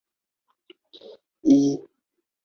此后山区路段多加筑护坡。